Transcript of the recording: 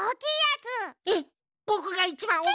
えっぼくがいちばんお。